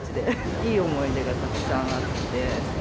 いい思い出がたくさんあって。